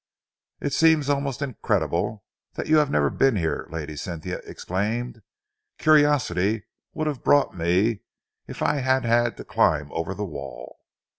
"It seems almost incredible that you have never been here!" Lady Cynthia exclaimed. "Curiosity would have brought me if I had had to climb over the wall!"